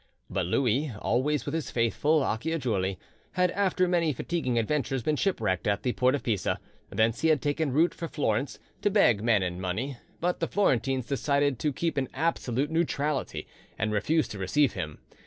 But Louis, always with his faithful Acciajuoli, had after many fatiguing adventures been shipwrecked at the port of Pisa; thence he had taken route for Florence, to beg men and money; but the Florentines decided to keep an absolute neutrality, and refused to receive him.